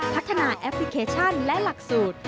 พัฒนาแอปพลิเคชันและหลักสูตร